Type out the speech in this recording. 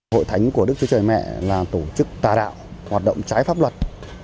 hội thánh của đức chúa trời mẹ là tổ chức tà đạo hoạt động trái pháp luật